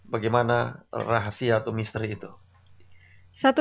bagaimana rahasia atau misteri itu